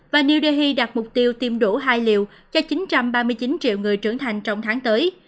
và new delhi đạt mục tiêu tiêm đủ hai liều cho chín trăm ba mươi chín triệu người trưởng thành trong tháng tới